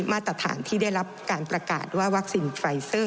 มาตรฐานที่ได้รับการประกาศว่าวัคซีนไฟเซอร์